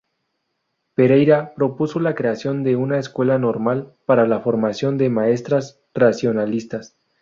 Pereira propuso la creación de una Escuela Normal para la formación de maestras racionalistas.